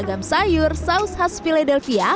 kecil ragam sayur saus khas philadelphia